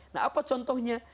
nah apa contohnya